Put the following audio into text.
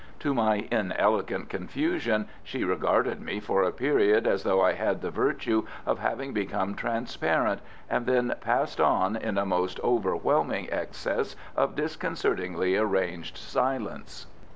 To my inelegant confusion she regarded me for a period as though I had the virtue of having become transparent, and then passed on in a most overwhelming excess of disconcertingly arranged silence.